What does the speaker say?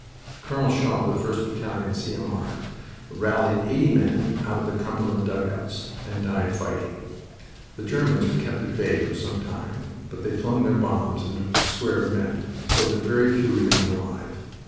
Colonel Shaw of the 1st Battalion, C.M.R., rallied eighty men out of the Cumberland dugouts, and died fighting. The Germans were kept at bay for some time, but they flung their bombs into the square of men, so that very few remained alive.